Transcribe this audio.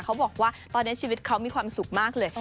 เขาบอกว่าตอนนี้ชีวิตเขามีความสุขมากเลย